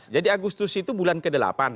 jadi agustus itu bulan ke delapan